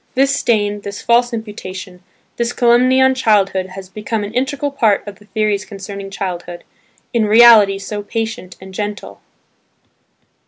This stain, this false imputation, this calumny on childhood has become an integral part of the theories concerning childhood, in reality so patient and gentle.